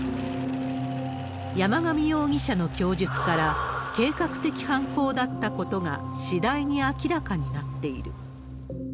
山上容疑者の供述から、計画的犯行だったことが、次第に明らかになっている。